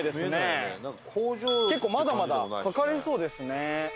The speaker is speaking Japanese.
結構まだまだかかりそうですね。